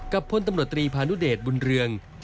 พลตำรวจตรีพานุเดชบุญเรือง